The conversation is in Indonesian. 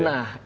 nah itu dia